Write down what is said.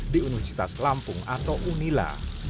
di universitas lampung atau unila